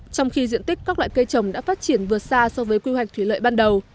trong khi diện tích các loại cây trồng đã phát triển vượt xa so với quy hoạch thủy lợi ban đầu